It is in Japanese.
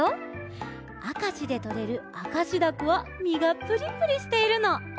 あかしでとれるあかしダコはみがプリプリしているの。